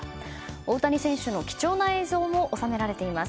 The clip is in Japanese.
大谷選手の貴重な映像も収められています。